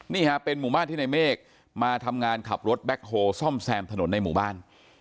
นี่ฮะเป็นหมู่บ้านที่ในเมฆมาทำงานขับรถแบ็คโฮซ่อมแซมถนนในหมู่บ้าน